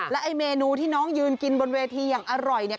ไอ้เมนูที่น้องยืนกินบนเวทีอย่างอร่อยเนี่ย